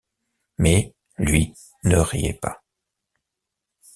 Mais, lui, ne riait pas.